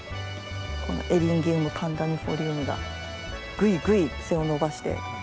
このエリンジウムパンダニフォリウムがぐいぐい背を伸ばして。